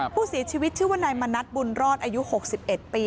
ผู้เสียชีวิตชื่อว่านายมณัฐบุญรอดอายุ๖๑ปี